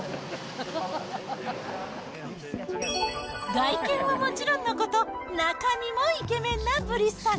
外見はもちろんのこと、中身もイケメンなブリスさん。